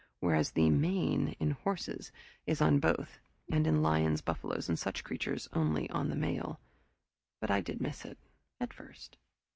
Whereas the "mane" in horses is on both, and in lions, buffalos, and such creatures only on the male. But I did miss it at first.